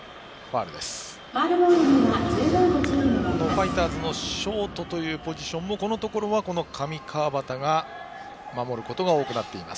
ファイターズのショートのポジションはこのところは上川畑が守ることが多くなっています。